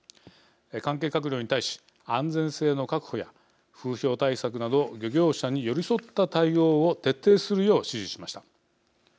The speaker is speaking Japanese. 関係閣僚に対し安全性の確保や風評対策など漁業者に寄り添った対応を徹底するよう指示しました。